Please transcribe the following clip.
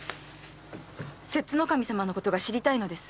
摂津守様のことが知りたいのです。